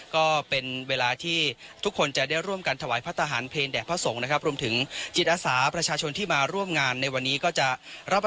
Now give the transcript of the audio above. ก็เป็นเวลาที่ทุกคนจะได้ร่วมกันถวายพระทหารเพลงแดดพระทรงนะครับ